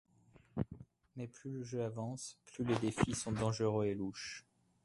Mais plus le jeu avance, plus les défis sont dangereux et louches.